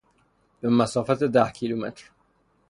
به مسافت ده کیلومتر